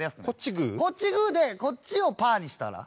こっちグーでこっちをパーにしたら？